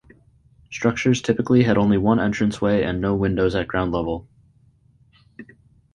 Structures typically had only one entranceway and no windows at ground level.